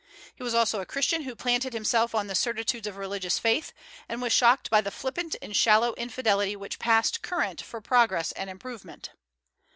He was also a Christian who planted himself on the certitudes of religious faith, and was shocked by the flippant and shallow infidelity which passed current for progress and improvement.